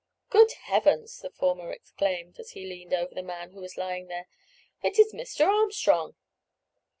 "Good Heavens!" the former exclaimed, as he leaned over the man who was lying there, "it is Mr. Armstrong."